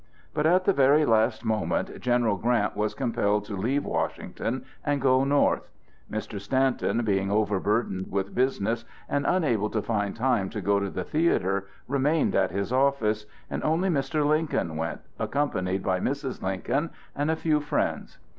But at the very last moment General Grant was compelled to leave Washington and go North. Mr. Stanton, being overburdened with business and unable to find time to go to the theatre, remained at his office, and only Mr. Lincoln went, accompanied by Mrs. Lincoln and a few friends.